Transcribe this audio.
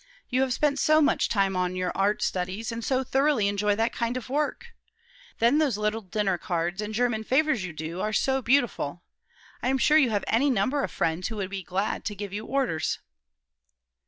You have spent so much time on your art studies, and so thoroughly enjoy that kind of work. Then those little dinner cards, and german favors you do, are so beautiful. I am sure you have any number of friends who would be glad to give you orders."